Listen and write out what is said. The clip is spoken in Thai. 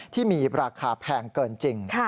ที่มีราคาแพงเกินจริง